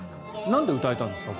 なんで歌えたんですか？